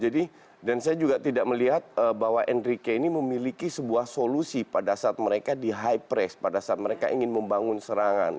dan saya juga tidak melihat bahwa enrique ini memiliki sebuah solusi pada saat mereka di high press pada saat mereka ingin membangun serangan